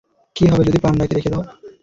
কী হবে যদি পান্ডাকে রেখে দাও?